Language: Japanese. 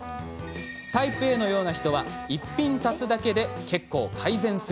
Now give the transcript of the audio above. タイプＡのような人は一品足すだけで結構改善するそうですよ。